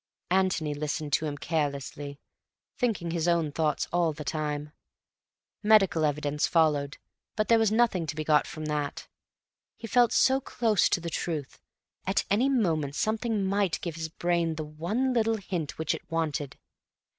Antony listened to him carelessly, thinking his own thoughts all the time. Medical evidence followed, but there was nothing to be got from that. He felt so close to the truth; at any moment something might give his brain the one little hint which it wanted.